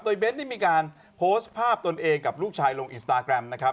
โดยเบ้นได้มีการโพสต์ภาพตนเองกับลูกชายลงอินสตาแกรมนะครับ